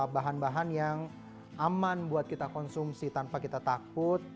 bahan bahan yang aman buat kita konsumsi tanpa kita takut